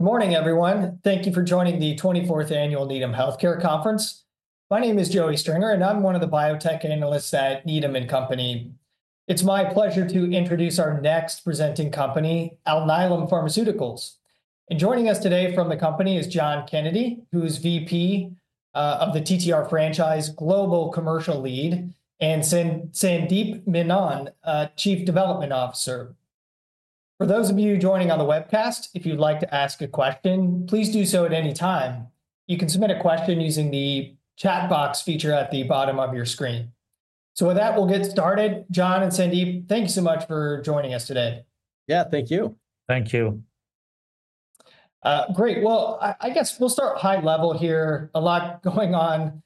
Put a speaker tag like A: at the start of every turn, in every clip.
A: Good morning, everyone. Thank you for joining the 24th Annual Needham Healthcare Conference. My name is Joseph Stringer, and I'm one of the biotech analysts at Needham and Company. It's my pleasure to introduce our next presenting company, Alnylam Pharmaceuticals. Joining us today from the company is John Kennedy, who's VP of the TTR franchise, Global Commercial Lead, and Sandeep Menon, Chief Development Officer. For those of you joining on the webcast, if you'd like to ask a question, please do so at any time. You can submit a question using the chat box feature at the bottom of your screen. With that, we'll get started. John and Sandeep, thank you so much for joining us today.
B: Yeah, thank you.
C: Thank you.
A: Great. I guess we'll start high level here. A lot going on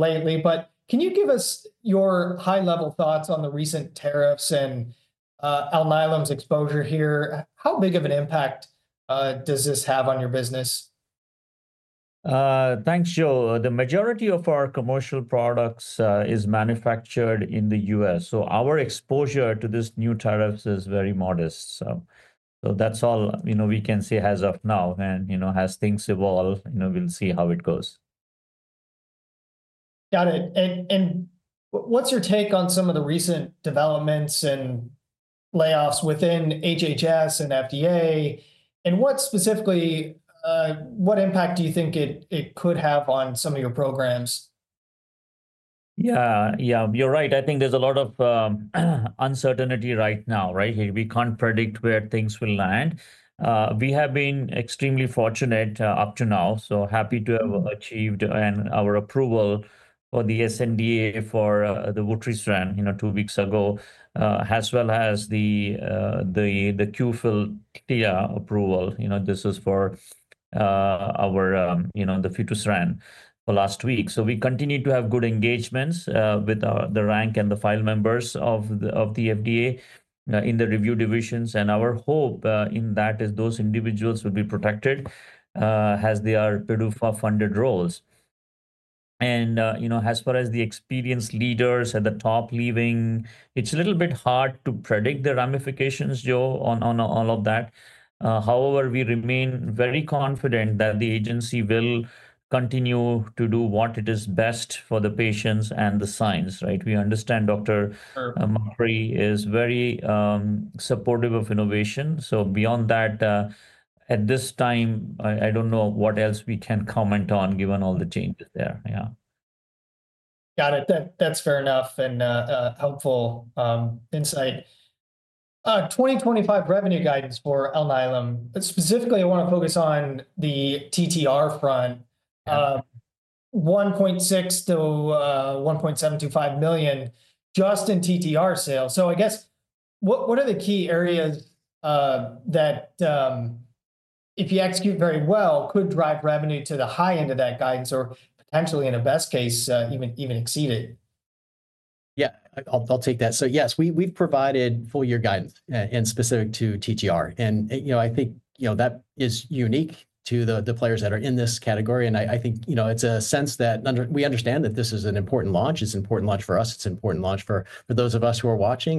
A: lately, but can you give us your high-level thoughts on the recent tariffs and Alnylam's exposure here? How big of an impact does this have on your business?
B: Thanks, Joe. The majority of our commercial products is manufactured in the U.S., so our exposure to these new tariffs is very modest. That is all we can say as of now. As things evolve, we'll see how it goes.
A: Got it. What is your take on some of the recent developments and layoffs within HHS and FDA? What specifically, what impact do you think it could have on some of your programs?
B: Yeah, yeah, you're right. I think there's a lot of uncertainty right now, right? We can't predict where things will land. We have been extremely fortunate up to now, so happy to have achieved our approval for the sNDA for the vutrisiran two weeks ago, as well as the Qfitlia TTR approval. This was for our vutrisiran for last week. We continue to have good engagements with the rank and file members of the FDA in the review divisions. Our hope in that is those individuals will be protected as they are PDUFA-funded roles. As far as the experienced leaders at the top leaving, it's a little bit hard to predict the ramifications, Joe, on all of that. However, we remain very confident that the agency will continue to do what is best for the patients and the science, right? We understand Dr. Murray is very supportive of innovation. Beyond that, at this time, I don't know what else we can comment on given all the changes there. Yeah.
A: Got it. That's fair enough and helpful insight. 2025 revenue guidance for Alnylam, specifically, I want to focus on the TTR front, $1.6 million-$1.725 million just in TTR sales. I guess, what are the key areas that, if you execute very well, could drive revenue to the high end of that guidance or potentially, in a best case, even exceed it?
C: Yeah, I'll take that. Yes, we've provided full-year guidance and specific to TTR. I think that is unique to the players that are in this category. I think it's a sense that we understand that this is an important launch. It's an important launch for us. It's an important launch for those of us who are watching.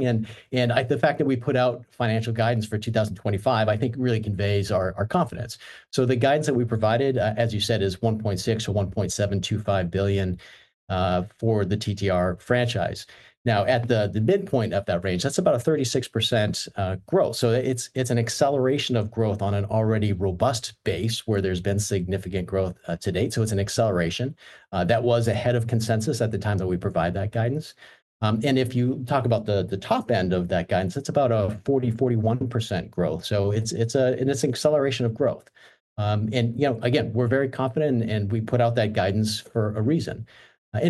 C: The fact that we put out financial guidance for 2025, I think really conveys our confidence. The guidance that we provided, as you said, is $1.6 billion-$1.725 billion for the TTR franchise. At the midpoint of that range, that's about a 36% growth. It's an acceleration of growth on an already robust base where there's been significant growth to date. It's an acceleration. That was ahead of consensus at the time that we provide that guidance. If you talk about the top end of that guidance, it's about a 40%-41% growth. It's an acceleration of growth. Again, we're very confident, and we put out that guidance for a reason. In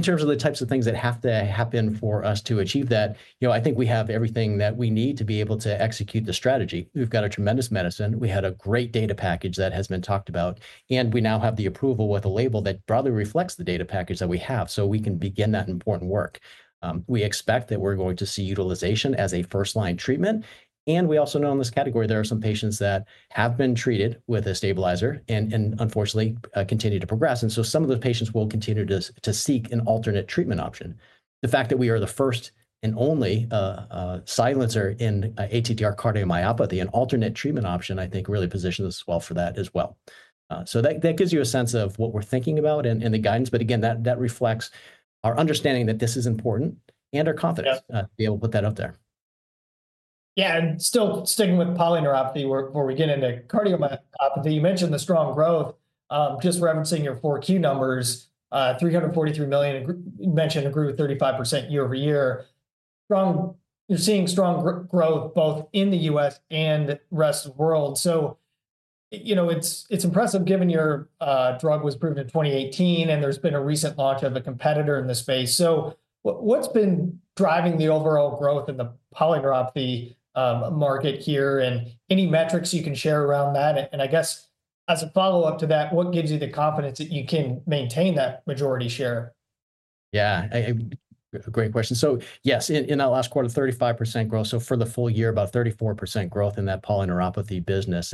C: terms of the types of things that have to happen for us to achieve that, I think we have everything that we need to be able to execute the strategy. We've got a tremendous medicine. We had a great data package that has been talked about. We now have the approval with a label that broadly reflects the data package that we have, so we can begin that important work. We expect that we're going to see utilization as a first-line treatment. We also know in this category, there are some patients that have been treated with a stabilizer and, unfortunately, continue to progress. Some of those patients will continue to seek an alternate treatment option. The fact that we are the first and only silencer in ATTR cardiomyopathy, an alternate treatment option, I think really positions us well for that as well. That gives you a sense of what we're thinking about and the guidance. Again, that reflects our understanding that this is important and our confidence to be able to put that out there.
A: Yeah. Still sticking with polyneuropathy before we get into cardiomyopathy, you mentioned the strong growth. Just referencing your Q4 numbers, $343 million, you mentioned grew 35% year-over-year. You're seeing strong growth both in the U.S. and rest of the world. It's impressive given your drug was proven in 2018, and there's been a recent launch of a competitor in the space. What's been driving the overall growth in the polyneuropathy market here? Any metrics you can share around that? I guess, as a follow-up to that, what gives you the confidence that you can maintain that majority share?
C: Yeah, great question. Yes, in that last quarter, 35% growth. For the full year, about 34% growth in that polyneuropathy business.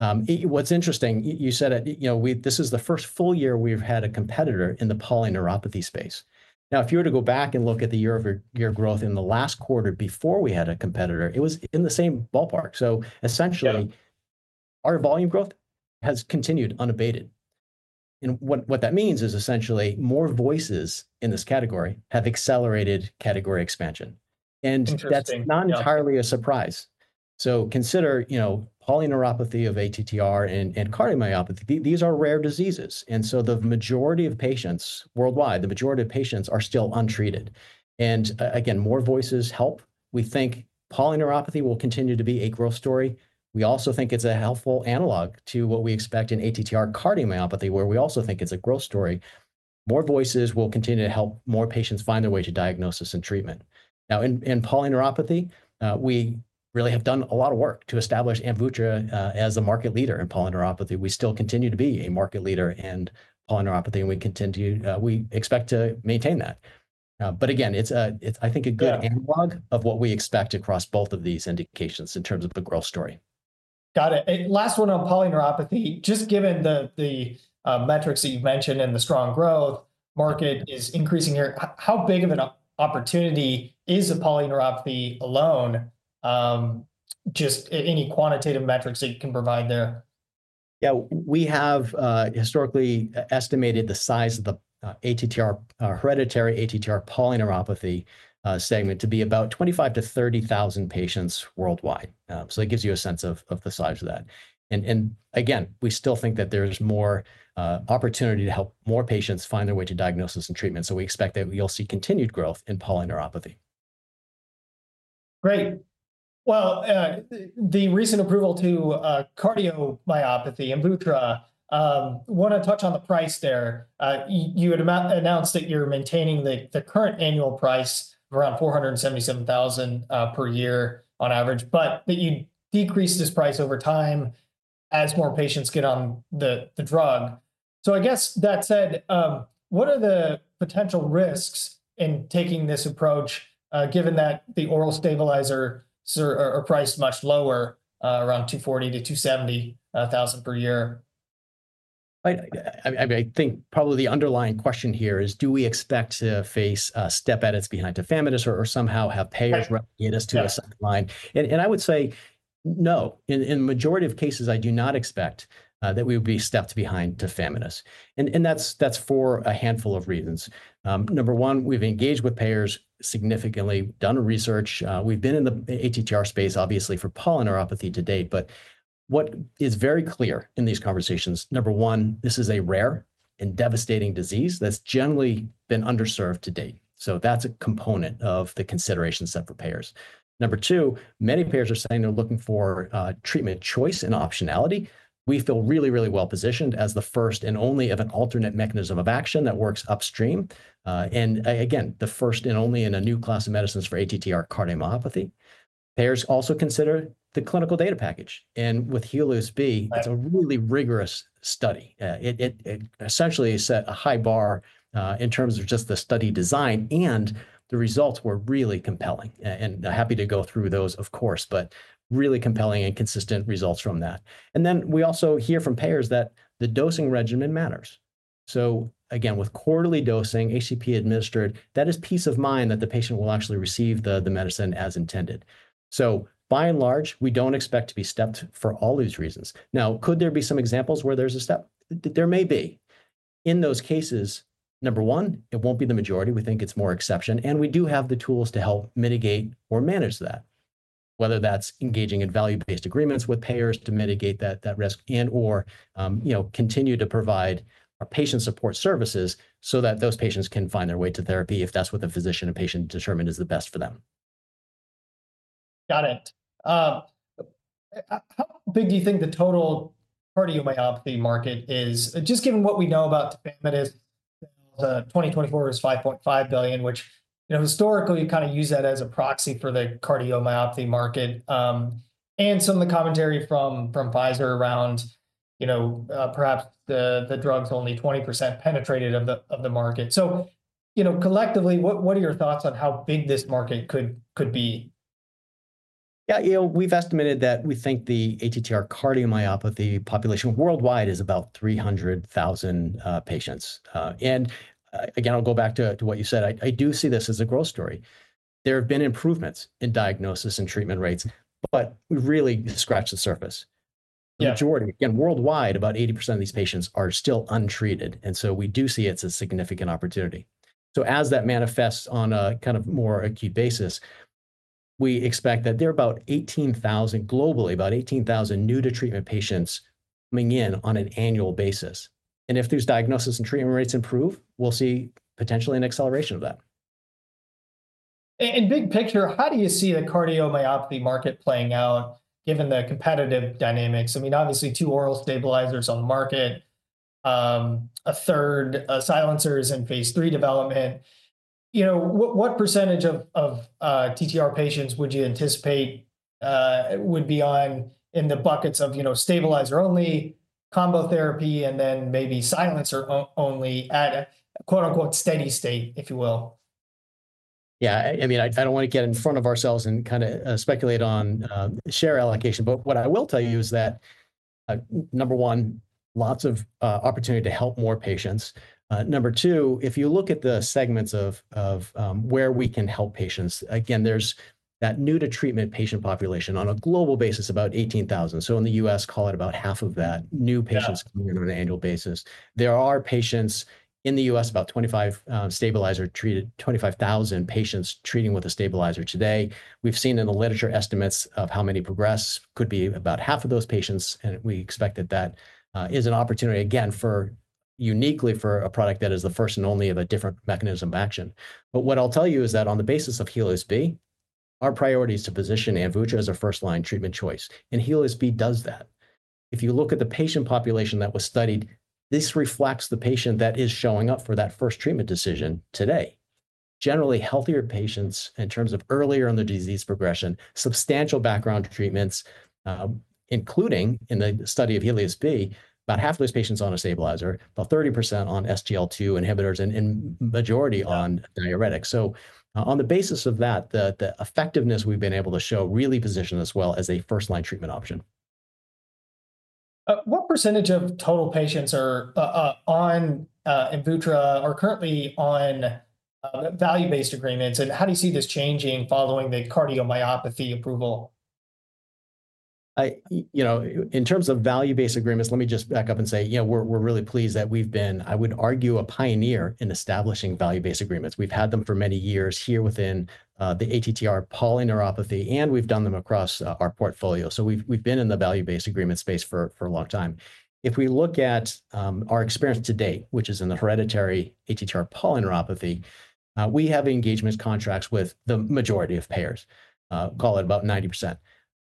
C: What's interesting, you said this is the first full year we've had a competitor in the polyneuropathy space. Now, if you were to go back and look at the year-over-year growth in the last quarter before we had a competitor, it was in the same ballpark. Essentially, our volume growth has continued unabated. What that means is essentially more voices in this category have accelerated category expansion. That's not entirely a surprise. Consider polyneuropathy of ATTR and cardiomyopathy. These are rare diseases. The majority of patients worldwide, the majority of patients are still untreated. Again, more voices help. We think polyneuropathy will continue to be a growth story. We also think it's a helpful analog to what we expect in ATTR cardiomyopathy, where we also think it's a growth story. More voices will continue to help more patients find their way to diagnosis and treatment. Now, in polyneuropathy, we really have done a lot of work to establish AMVUTTRA as a market leader in polyneuropathy. We still continue to be a market leader in polyneuropathy, and we expect to maintain that. I think it's a good analog of what we expect across both of these indications in terms of the growth story.
A: Got it. Last one on polyneuropathy. Just given the metrics that you've mentioned and the strong growth, the market is increasing here. How big of an opportunity is the polyneuropathy alone? Just any quantitative metrics that you can provide there.
C: Yeah, we have historically estimated the size of the hereditary ATTR polyneuropathy segment to be about 25,000 patients-30,000 patients worldwide. It gives you a sense of the size of that. Again, we still think that there's more opportunity to help more patients find their way to diagnosis and treatment. We expect that you'll see continued growth in polyneuropathy.
A: Great. The recent approval to cardiomyopathy, AMVUTTRA, I want to touch on the price there. You had announced that you're maintaining the current annual price of around $477,000 per year on average, but that you decrease this price over time as more patients get on the drug. I guess that said, what are the potential risks in taking this approach given that the oral stabilizers are priced much lower, around $240,000-$270,000 per year?
C: I think probably the underlying question here is, do we expect to face step edits behind tafamidis or somehow have payers recommend us to a second line? I would say no. In the majority of cases, I do not expect that we would be stepped behind tafamidis. That is for a handful of reasons. Number one, we've engaged with payers significantly, done research. We've been in the ATTR space, obviously, for polyneuropathy to date. What is very clear in these conversations, number one, this is a rare and devastating disease that's generally been underserved to date. That is a component of the consideration set for payers. Number two, many payers are saying they're looking for treatment choice and optionality. We feel really, really well positioned as the first and only of an alternate mechanism of action that works upstream. The first and only in a new class of medicines for ATTR cardiomyopathy. Payers also consider the clinical data package. With HELIOS-B, it is a really rigorous study. It essentially set a high bar in terms of just the study design. The results were really compelling. I am happy to go through those, of course, but really compelling and consistent results from that. We also hear from payers that the dosing regimen matters. With quarterly dosing, HCP administered, that is peace of mind that the patient will actually receive the medicine as intended. By and large, we do not expect to be stepped for all these reasons. Now, could there be some examples where there is a step? There may be. In those cases, number one, it will not be the majority. We think it is more exception. We do have the tools to help mitigate or manage that, whether that's engaging in value-based agreements with payers to mitigate that risk and/or continue to provide our patient support services so that those patients can find their way to therapy if that's what the physician and patient determined is the best for them.
A: Got it. How big do you think the total cardiomyopathy market is? Just given what we know about tafamidis, 2024 was $5.5 billion, which historically you kind of use that as a proxy for the cardiomyopathy market. Some of the commentary from Pfizer around perhaps the drug is only 20% penetrated of the market. Collectively, what are your thoughts on how big this market could be?
C: Yeah, we've estimated that we think the ATTR cardiomyopathy population worldwide is about 300,000 patients. I do see this as a growth story. There have been improvements in diagnosis and treatment rates, but we've really scratched the surface. The majority, again, worldwide, about 80% of these patients are still untreated. We do see it's a significant opportunity. As that manifests on a kind of more acute basis, we expect that there are about 18,000 globally, about 18,000 new-to-treatment patients coming in on an annual basis. If those diagnosis and treatment rates improve, we'll see potentially an acceleration of that.
A: Big picture, how do you see the cardiomyopathy market playing out given the competitive dynamics? I mean, obviously, two oral stabilizers on the market, a third silencer in phase three development. What percentage of TTR patients would you anticipate would be in the buckets of stabilizer-only, combo therapy, and then maybe silencer-only at a "steady state," if you will?
C: Yeah. I mean, I don't want to get in front of ourselves and kind of speculate on share allocation. What I will tell you is that, number one, lots of opportunity to help more patients. Number two, if you look at the segments of where we can help patients, again, there's that new-to-treatment patient population on a global basis, about 18,000. In the U.S., call it about half of that new patients coming in on an annual basis. There are patients in the U.S., about 25,000 stabilizer-treated patients treating with a stabilizer today. We've seen in the literature estimates of how many progress could be about half of those patients. We expect that that is an opportunity, again, uniquely for a product that is the first and only of a different mechanism of action. What I'll tell you is that on the basis of HELIOS-B, our priority is to position AMVUTTRA as a first-line treatment choice. HELIOS-B does that. If you look at the patient population that was studied, this reflects the patient that is showing up for that first treatment decision today. Generally, healthier patients in terms of earlier in the disease progression, substantial background treatments, including in the study of HELIOS-B, about half of those patients on a stabilizer, about 30% on SGLT2 inhibitors, and majority on diuretics. On the basis of that, the effectiveness we've been able to show really positions us well as a first-line treatment option.
A: What percentage of total patients are on AMVUTTRA or currently on value-based agreements? How do you see this changing following the cardiomyopathy approval?
C: In terms of value-based agreements, let me just back up and say we're really pleased that we've been, I would argue, a pioneer in establishing value-based agreements. We've had them for many years here within the ATTR polyneuropathy, and we've done them across our portfolio. We've been in the value-based agreement space for a long time. If we look at our experience to date, which is in the hereditary ATTR polyneuropathy, we have engagement contracts with the majority of payers, call it about 90%.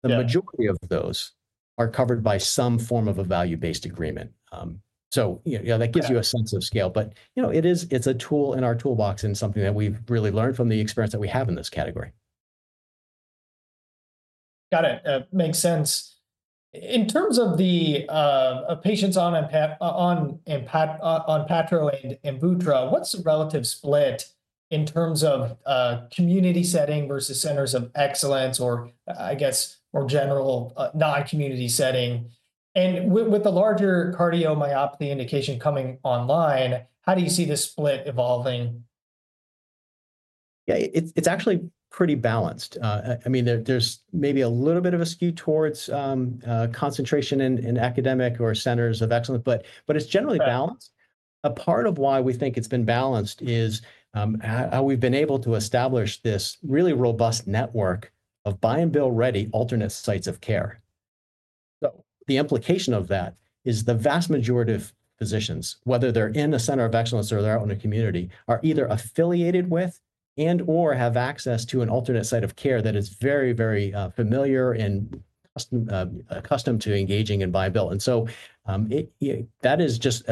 C: The majority of those are covered by some form of a value-based agreement. That gives you a sense of scale. It's a tool in our toolbox and something that we've really learned from the experience that we have in this category.
A: Got it. Makes sense. In terms of patients on ONPATTRO and AMVUTTRA, what's the relative split in terms of community setting versus centers of excellence or, I guess, more general non-community setting? With the larger cardiomyopathy indication coming online, how do you see the split evolving?
C: Yeah, it's actually pretty balanced. I mean, there's maybe a little bit of a skew towards concentration in academic or centers of excellence, but it's generally balanced. A part of why we think it's been balanced is how we've been able to establish this really robust network of buy-and-bill-ready alternate sites of care. The implication of that is the vast majority of physicians, whether they're in a center of excellence or they're out in a community, are either affiliated with and/or have access to an alternate site of care that is very, very familiar and accustomed to engaging in buy-and-bill. That is just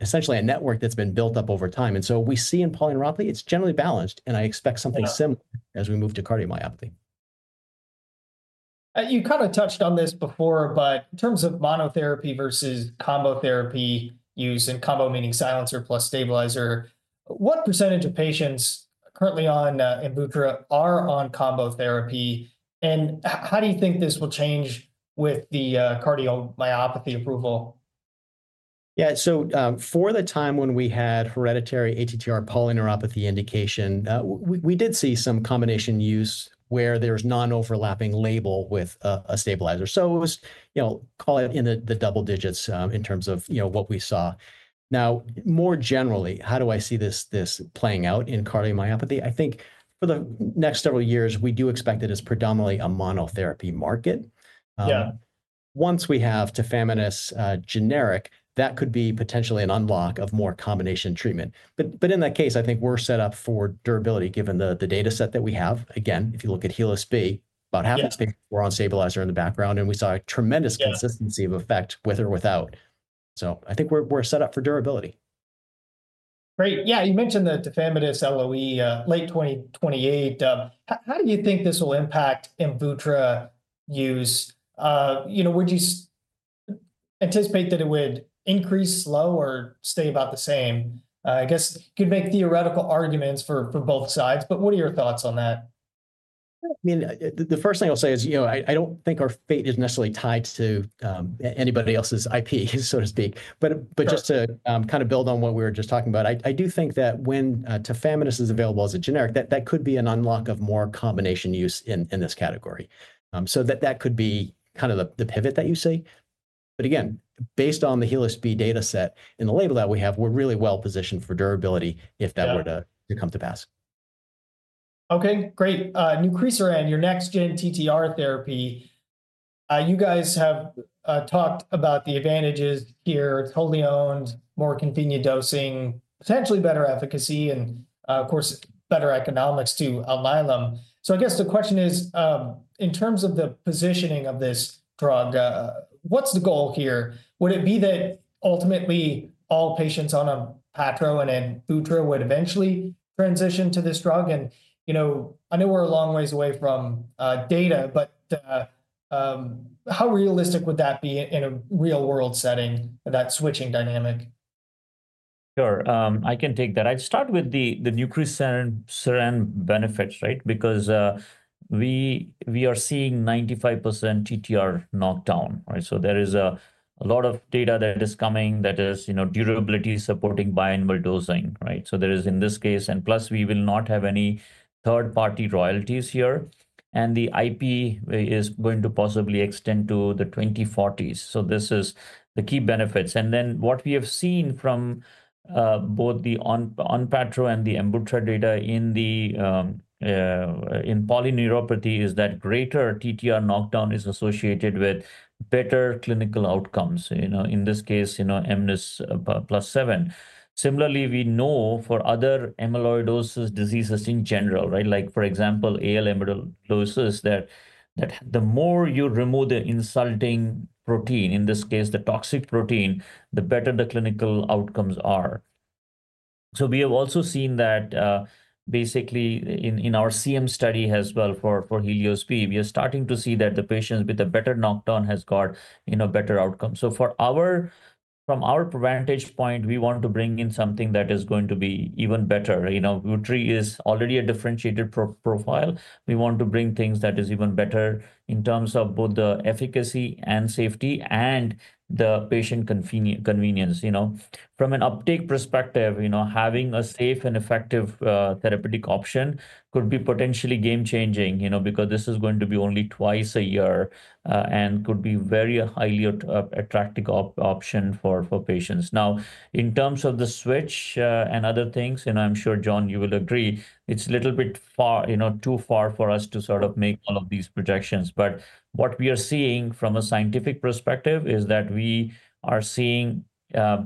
C: essentially a network that's been built up over time. We see in polyneuropathy, it's generally balanced. I expect something similar as we move to cardiomyopathy.
A: You kind of touched on this before, but in terms of monotherapy versus combo therapy use, and combo meaning silencer plus stabilizer, what percentage of patients currently on AMVUTTRA are on combo therapy? How do you think this will change with the cardiomyopathy approval?
C: Yeah. For the time when we had hereditary ATTR polyneuropathy indication, we did see some combination use where there was non-overlapping label with a stabilizer. It was, call it, in the double digits in terms of what we saw. Now, more generally, how do I see this playing out in cardiomyopathy? I think for the next several years, we do expect it as predominantly a monotherapy market. Once we have tafamidis generic, that could be potentially an unlock of more combination treatment. In that case, I think we're set up for durability given the data set that we have. Again, if you look at HELIOS-B, about half the patients were on stabilizer in the background, and we saw a tremendous consistency of effect with or without. I think we're set up for durability.
A: Great. Yeah. You mentioned the tafamidis LOE, late 2028. How do you think this will impact AMVUTTRA use? Would you anticipate that it would increase, slow, or stay about the same? I guess you could make theoretical arguments for both sides, but what are your thoughts on that?
C: I mean, the first thing I'll say is I don't think our fate is necessarily tied to anybody else's IP, so to speak. Just to kind of build on what we were just talking about, I do think that when tafamidis is available as a generic, that could be an unlock of more combination use in this category. That could be kind of the pivot that you see. Again, based on the HELIOS-B data set and the label that we have, we're really well positioned for durability if that were to come to pass.
A: Okay. Great. Nucresiran, your next-gen TTR therapy. You guys have talked about the advantages here, totally owned, more convenient dosing, potentially better efficacy, and of course, better economics to Alnylam. I guess the question is, in terms of the positioning of this drug, what's the goal here? Would it be that ultimately all patients on ONPATTRO and AMVUTTRA would eventually transition to this drug? I know we're a long ways away from data, but how realistic would that be in a real-world setting, that switching dynamic?
B: Sure. I can take that. I'd start with the nucresiran benefits, right? Because we are seeing 95% TTR knockdown. There is a lot of data that is coming that is durability supporting biannual dosing. There is, in this case, and plus we will not have any third-party royalties here. The IP is going to possibly extend to the 2040s. This is the key benefits. What we have seen from both the ONPATTRO and the AMVUTTRA data in polyneuropathy is that greater TTR knockdown is associated with better clinical outcomes. In this case, mNIS+7. Similarly, we know for other amyloidosis diseases in general, like for example, AL amyloidosis, that the more you remove the insulting protein, in this case, the toxic protein, the better the clinical outcomes are. We have also seen that basically in our CM study as well for HELIOS-B, we are starting to see that the patients with a better knockdown have got better outcomes. From our vantage point, we want to bring in something that is going to be even better. AMVUTTRA is already a differentiated profile. We want to bring things that are even better in terms of both the efficacy and safety and the patient convenience. From an uptake perspective, having a safe and effective therapeutic option could be potentially game-changing because this is going to be only twice a year and could be a very highly attractive option for patients. Now, in terms of the switch and other things, I'm sure, John, you will agree, it's a little bit too far for us to sort of make all of these projections. What we are seeing from a scientific perspective is that we are seeing,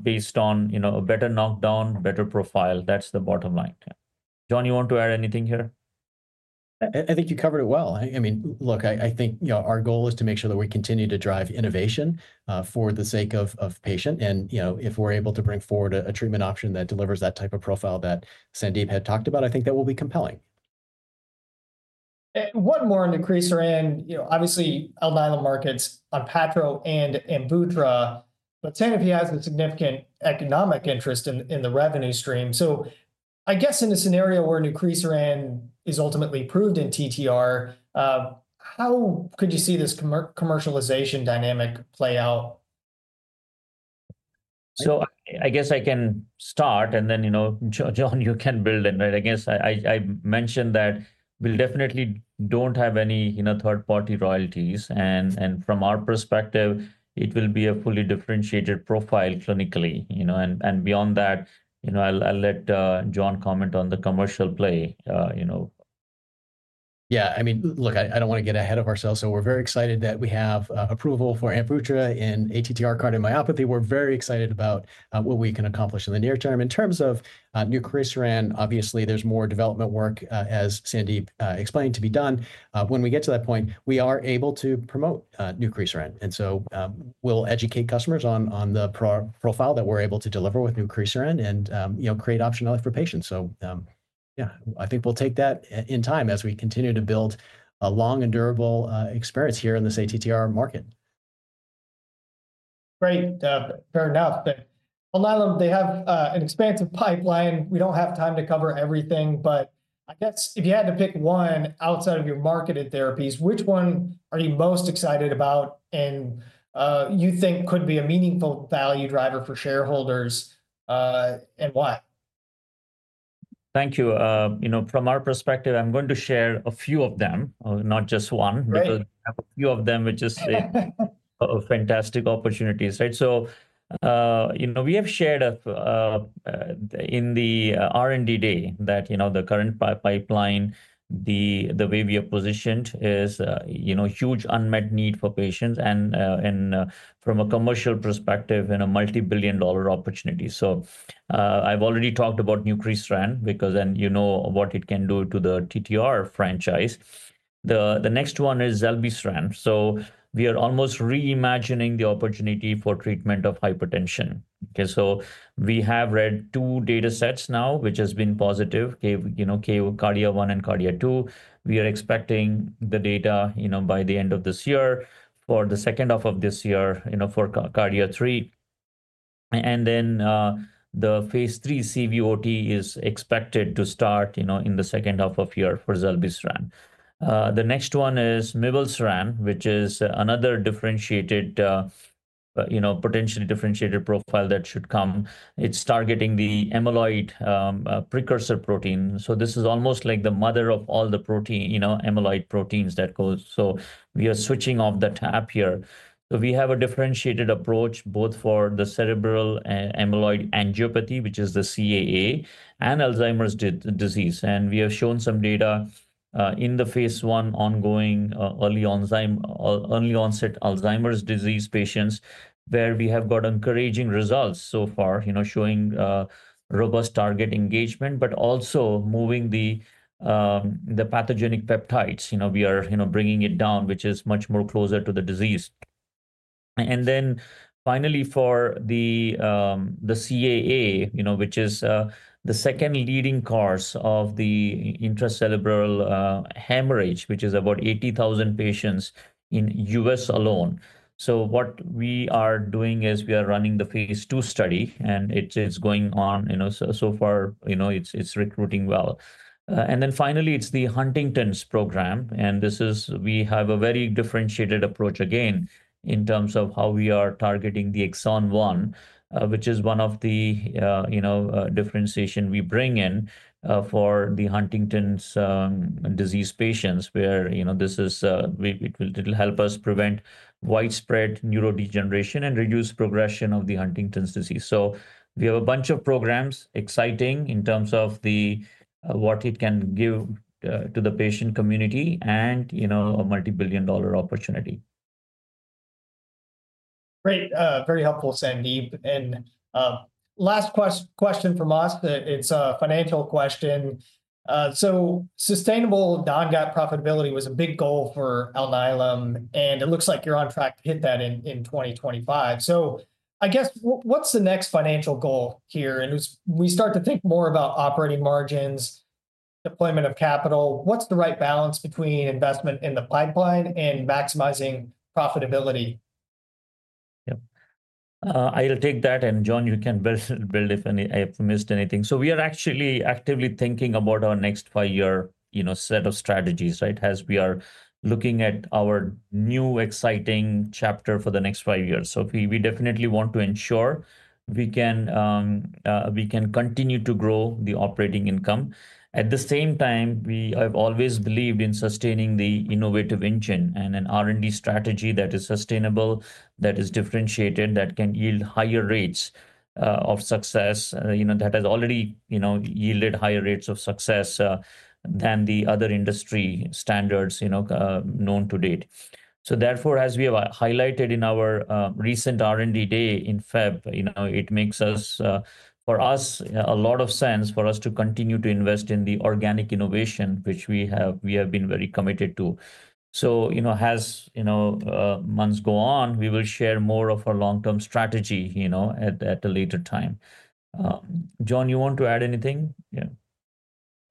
B: based on a better knockdown, better profile. That's the bottom line. John, you want to add anything here?
C: I think you covered it well. I mean, look, I think our goal is to make sure that we continue to drive innovation for the sake of patient. And if we're able to bring forward a treatment option that delivers that type of profile that Sandeep had talked about, I think that will be compelling.
A: One more, nucresiran. Obviously, Alnylam markets ONPATTRO and AMVUTTRA, but Sandeep has a significant economic interest in the revenue stream. I guess in a scenario where nucresiran is ultimately proved in TTR, how could you see this commercialization dynamic play out?
B: I guess I can start, and then John, you can build in. I guess I mentioned that we definitely don't have any third-party royalties. From our perspective, it will be a fully differentiated profile clinically. Beyond that, I'll let John comment on the commercial play.
C: Yeah. I mean, look, I don't want to get ahead of ourselves. We're very excited that we have approval for AMVUTTRA in ATTR cardiomyopathy. We're very excited about what we can accomplish in the near term. In terms of nucresiran, obviously, there's more development work, as Sandeep explained, to be done. When we get to that point, we are able to promote nucresiran. We'll educate customers on the profile that we're able to deliver with nucresiran and create optionality for patients. Yeah, I think we'll take that in time as we continue to build a long and durable experience here in this ATTR market.
A: Great. Fair enough. Alnylam, they have an expansive pipeline. We don't have time to cover everything. I guess if you had to pick one outside of your marketed therapies, which one are you most excited about and you think could be a meaningful value driver for shareholders, and why?
B: Thank you. From our perspective, I'm going to share a few of them, not just one, because we have a few of them, which is fantastic opportunities. We have shared in the R&D day that the current pipeline, the way we are positioned, is a huge unmet need for patients and from a commercial perspective and a multi-billion dollar opportunity. I've already talked about nucresiran because then you know what it can do to the TTR franchise. The next one is Zilebesiran. We are almost reimagining the opportunity for treatment of hypertension. We have read two data sets now, which have been positive, KARDIA-1 and KARDIA-2. We are expecting the data by the end of this year for the second half of this year for KARDIA-3. The phase 3 CVOT is expected to start in the second half of the year for Zilebiseran. The next one is Mivelsiran, which is another potentially differentiated profile that should come. It is targeting the amyloid precursor protein. This is almost like the mother of all the amyloid proteins that goes. We are switching off the tap here. We have a differentiated approach both for the cerebral amyloid angiopathy, which is the CAA, and Alzheimer's disease. We have shown some data in the phase II ongoing early onset Alzheimer's disease patients where we have got encouraging results so far showing robust target engagement, but also moving the pathogenic peptides. We are bringing it down, which is much more closer to the disease. Finally, for the CAA, which is the second leading cause of intracerebral hemorrhage, which is about 80,000 patients in the U.S alone. What we are doing is we are running the phase II study, and it is going on. So far, it is recruiting well. Finally, it is the Huntington's program. We have a very differentiated approach again in terms of how we are targeting the exon 1, which is one of the differentiations we bring in for the Huntington's disease patients where it will help us prevent widespread neurodegeneration and reduce progression of the Huntington's disease. We have a bunch of programs exciting in terms of what it can give to the patient community and a multi-billion dollar opportunity.
A: Great. Very helpful, Sandeep. Last question from us. It's a financial question. Sustainable non-GAAP profitability was a big goal for Alnylam. It looks like you're on track to hit that in 2025. I guess what's the next financial goal here? We start to think more about operating margins, deployment of capital. What's the right balance between investment in the pipeline and maximizing profitability?
B: I'll take that. John, you can build if I've missed anything. We are actually actively thinking about our next five-year set of strategies as we are looking at our new exciting chapter for the next five years. We definitely want to ensure we can continue to grow the operating income. At the same time, I've always believed in sustaining the innovative engine and an R&D strategy that is sustainable, that is differentiated, that can yield higher rates of success, that has already yielded higher rates of success than the other industry standards known to date. Therefore, as we have highlighted in our recent R&D day in February, it makes for us a lot of sense for us to continue to invest in the organic innovation, which we have been very committed to. As months go on, we will share more of our long-term strategy at a later time. John, you want to add anything?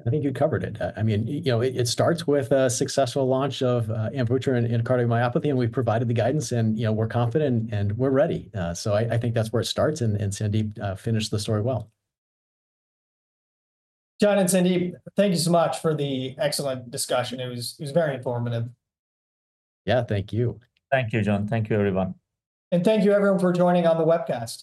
C: I think you covered it. I mean, it starts with a successful launch of AMVUTTRA in cardiomyopathy, and we've provided the guidance, and we're confident, and we're ready. I think that's where it starts, and Sandeep finished the story well.
A: John and Sandeep, thank you so much for the excellent discussion. It was very informative.
B: Yeah, thank you. Thank you, John. Thank you, everyone.
A: Thank you, everyone, for joining on the webcast.